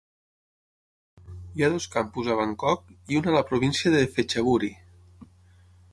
Hi ha dos campus a Bangkok i un a la província de Phetchaburi.